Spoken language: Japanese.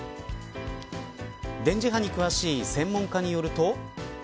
電磁波に詳しい専門家によると。